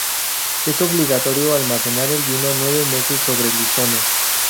Es obligatorio almacenar el vino nueve meses sobre listones.